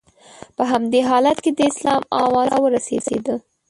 په همدې حالت کې د اسلام اوازه را ورسېده.